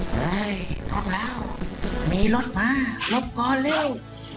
เฮ้ยพวกเรามีรถมารบก่อนเร็ว